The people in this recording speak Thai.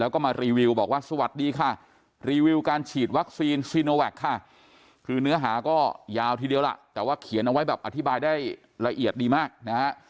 คือเนื้อหาก็ยาวทีเดียวล่ะแต่ว่าเขียนเอาไว้แบบอธิบายได้ละเอียดดีมากนะฮะ